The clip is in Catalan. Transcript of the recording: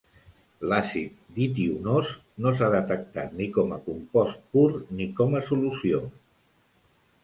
L'àcid ditionós no s'ha detectat ni com a compost pur ni com a solució.